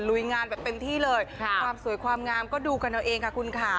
ลุยงานแบบเต็มที่เลยความสวยความงามก็ดูกันเอาเองค่ะคุณค่ะ